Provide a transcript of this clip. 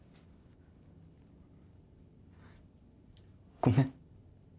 ごめん。